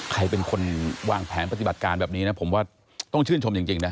ใครเป็นคนวางแผนปฏิบัติการแบบนี้นะผมว่าต้องชื่นชมจริงนะ